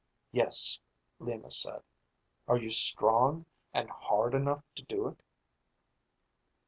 "Yes," Lima said. "Are you strong and hard enough to do it?"